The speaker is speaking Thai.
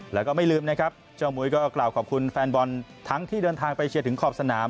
แล้วก็ไม่ลืมนะครับเจ้ามุยก็กล่าวขอบคุณแฟนบอลทั้งที่เดินทางไปเชียร์ถึงขอบสนาม